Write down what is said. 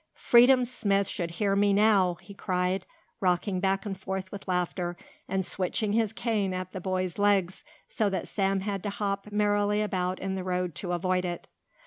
"Freedom Smith should hear me now," he cried, rocking back and forth with laughter and switching his cane at the boy's legs so that Sam had to hop merrily about in the road to avoid it.